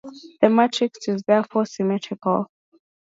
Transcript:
The matrix is therefore symmetrical.